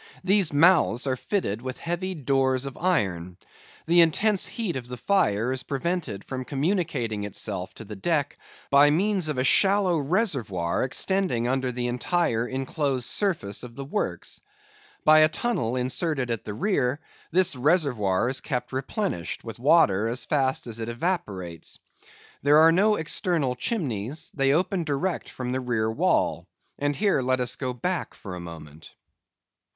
These mouths are fitted with heavy doors of iron. The intense heat of the fire is prevented from communicating itself to the deck, by means of a shallow reservoir extending under the entire inclosed surface of the works. By a tunnel inserted at the rear, this reservoir is kept replenished with water as fast as it evaporates. There are no external chimneys; they open direct from the rear wall. And here let us go back for a moment.